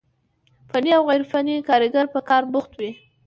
فني او غير فني کاريګر په کار بوخت وي،